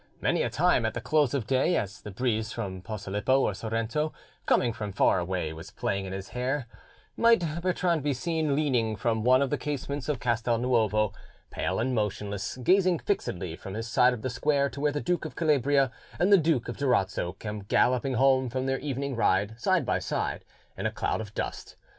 Many a time, at the close of day, as the breeze from Posilippo or Sorrento coming from far away was playing in his hair, might Bertrand be seen leaning from one of the casements of Castel Nuovo, pale and motionless, gazing fixedly from his side of the square to where the Duke of Calabria and the Duke of Durazzo came galloping home from their evening ride side by side in a cloud of dust.